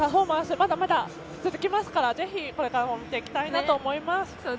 まだまだ続きますからぜひこれからも見ていきたいなと思います。